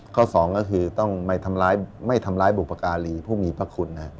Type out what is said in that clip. สองก็คือต้องไม่ทำร้ายบุพการีผู้มีพระคุณ